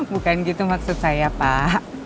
bukan gitu maksud saya pak